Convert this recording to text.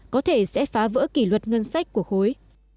có thể sẽ phá vỡ kỷ luật ngân sách của khối